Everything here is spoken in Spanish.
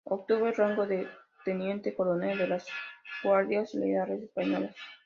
Obtuvo el rango de teniente Coronel de las Guardias Reales Españolas.